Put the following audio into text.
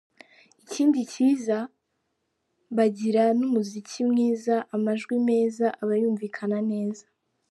Ikindi cyiza bagira ni umuziki mwiza, amajwi meza aba yumvikana neza.